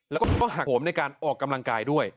แล้วก็ต้องหักโหมในการออกกำลังกายด้วย